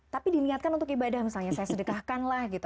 tapi diniatkan untuk ibadah misalnya saya sedekahkan lah gitu